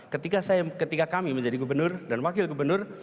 ketika kami menjadi gubernur dan wakil gubernur